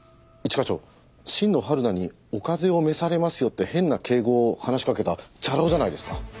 一課長新野はるなに「お風邪を召されますよ」って変な敬語を話しかけたチャラ男じゃないですか？